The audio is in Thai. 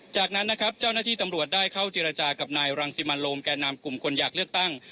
จากนั้นนะครับเจ้าหน้าที่ตำรวจได้เข้าเจรจากับนายรังสิมันโลมแก่นำกลุ่มคนอยากเลือกตั้ง